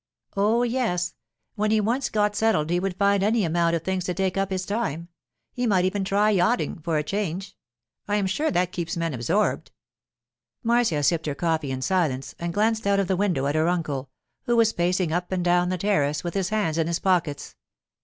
'Oh, yes; when he once got settled he would find any amount of things to take up his time. He might even try yachting, for a change; I am sure that keeps men absorbed.' Marcia sipped her coffee in silence and glanced out of the window at her uncle, who was pacing up and down the terrace with his hands in his pockets.